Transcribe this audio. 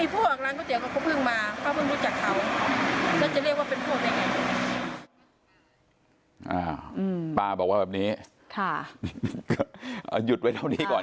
พ่อค้าก๋วยเตี๋ยวไม่ป้าไม่เห็น